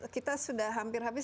kita sudah hampir habis